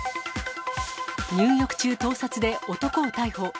入浴中、盗撮で男を逮捕。